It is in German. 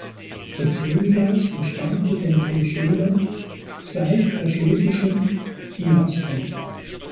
Przemislaus entstammte dem Teschener Zweig der Schlesischen Piasten.